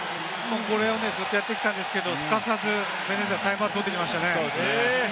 これをずっとやってきたんですけれど、すかさずベネズエラ、タイムアウト取ってきましたね。